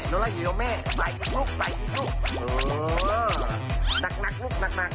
ใส่อีกลูกใส่อีกลูก